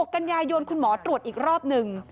กันยายนคุณหมอตรวจอีกรอบหนึ่ง